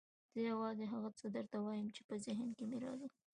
زه یوازې هغه څه درته وایم چې په ذهن کې مې راځي.